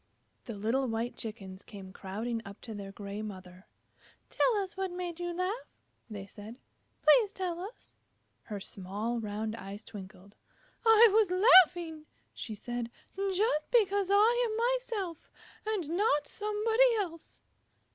The little white Chickens came crowding up to their gray mother. "Tell us what made you laugh," they said. "Please tell us." Her small round eyes twinkled. "I was laughing," she said, "just because I am myself and not somebody else."